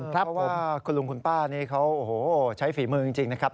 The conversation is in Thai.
เพราะว่าคุณลุงคุณป้านี่เขาโอ้โหใช้ฝีมือจริงนะครับ